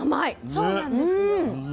そうなんですよ。